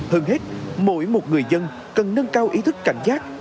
hơn hết mỗi một người dân cần nâng cao ý thức cảnh giác